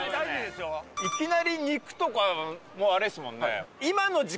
いきなり「肉」とかあれですもんね。